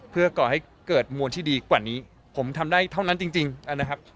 เพื่อก่อให้เกิดมวลที่ดีกว่านี้ผมทำได้เท่านั้นจริงนะครับ